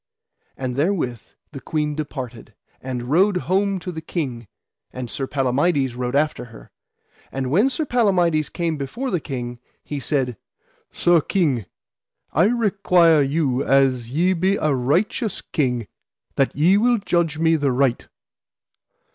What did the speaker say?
And therewith the queen departed, and rode home to the king, and Sir Palamides rode after her. And when Sir Palamides came before the king, he said: Sir King, I require you as ye be a righteous king, that ye will judge me the right.